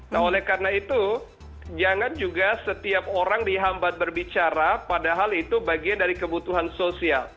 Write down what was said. nah oleh karena itu jangan juga setiap orang dihambat berbicara padahal itu bagian dari kebutuhan sosial